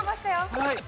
はい。